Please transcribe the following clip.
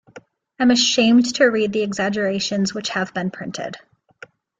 I'm ashamed to read the exaggerations which have been printed.